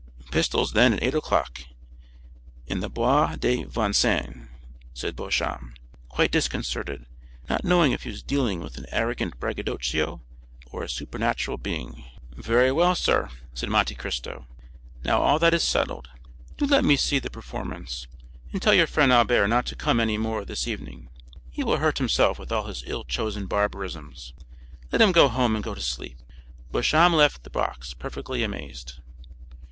"Pistols, then, at eight o'clock, in the Bois de Vincennes," said Beauchamp, quite disconcerted, not knowing if he was dealing with an arrogant braggadocio or a supernatural being. "Very well, sir," said Monte Cristo. "Now all that is settled, do let me see the performance, and tell your friend Albert not to come any more this evening; he will hurt himself with all his ill chosen barbarisms: let him go home and go to sleep." Beauchamp left the box, perfectly amazed.